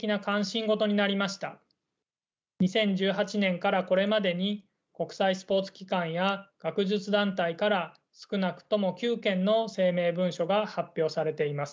２０１８年からこれまでに国際スポーツ機関や学術団体から少なくとも９件の声明文書が発表されています。